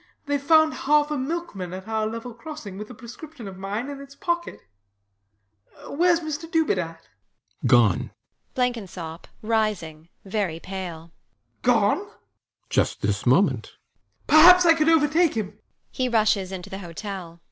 Theyve found half a milkman at our level crossing with a prescription of mine in its pocket. Wheres Mr Dubedat? RIDGEON. Gone. BLENKINSOP [rising, very pale] Gone! RIDGEON. Just this moment BLENKINSOP. Perhaps I could overtake him [he rushes into the hotel].